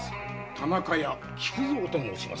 田中屋喜久造と申します。